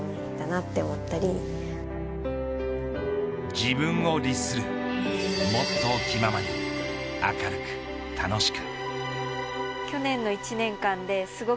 自分を律するもっと気ままに明るく楽しく。